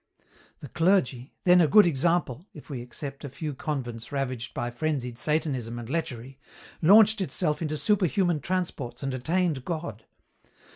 "The clergy, then a good example if we except a few convents ravaged by frenzied Satanism and lechery launched itself into superhuman transports and attained God.